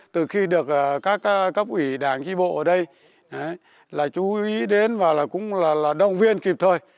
từ khi được các ủy đảng chi bộ ở đây chú ý đến và cũng là động viên kịp thời